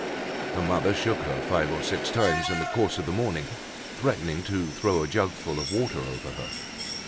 Her mother shook her five or six times in the course of the morning, threatening to throw a jugful of water over her.